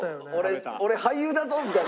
「俺俳優だぞ」みたいな。